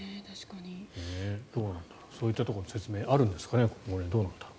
そういったところの説明はあるんですかね。